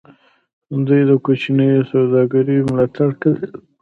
دوی د کوچنیو سوداګریو ملاتړ کوي.